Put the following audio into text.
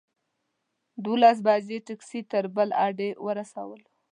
دولس بجې ټکسي تر بس اډې ورسولو.